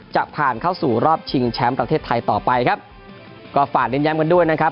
จะผ่านเข้าสู่รอบชิงแชมป์ประเทศไทยต่อไปครับก็ฝากเน้นย้ำกันด้วยนะครับ